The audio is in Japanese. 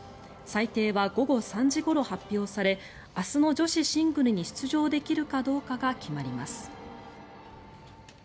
裁定は午後３時ごろ発表され明日の女子シングルに出場できるかどうかが決まります。